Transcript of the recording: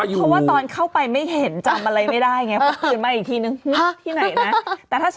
อยู่วัฒน์